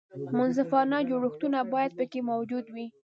منصفانه جوړښتونه باید پکې موجود وي.